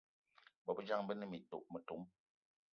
Bôbejang be ne metom